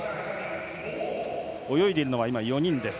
泳いでいるのは今、４人です。